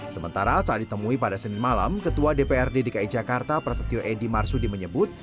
sementara saat ditemui pada senin malam ketua dprd dki jakarta prasetyo edy marsudi menyebut